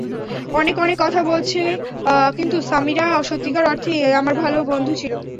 অনেকে অনেক কথা বলছে, কিন্তু সামিরা সত্যিকার অর্থেই আমার ভালো বন্ধু ছিল।